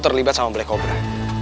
lu terlibat sama black cobra